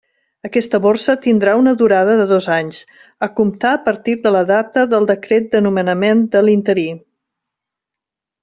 Aquesta borsa tindrà una durada de dos anys, a comptar a partir de la data del Decret de nomenament de l'interí.